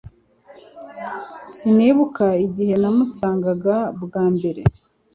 Sinibuka igihe namusangaga bwa mbere